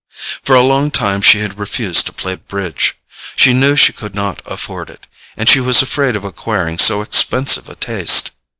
For a long time she had refused to play bridge. She knew she could not afford it, and she was afraid of acquiring so expensive a taste.